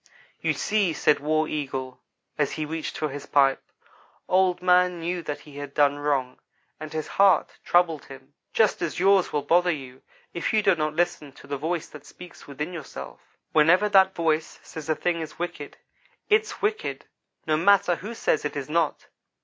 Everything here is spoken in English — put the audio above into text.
"You see," said War Eagle, as he reached for his pipe," Old man knew that he had done wrong, and his heart troubled him, just as yours will bother you if you do not listen to the voice that speaks within yourselves. Whenever that voice says a thing is wicked, its wicked no matter who says it is not.